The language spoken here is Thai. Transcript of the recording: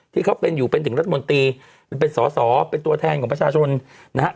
ที่เขาเป็นอยู่เป็นถึงรัฐมนตรีเป็นสอสอเป็นตัวแทนของประชาชนนะฮะ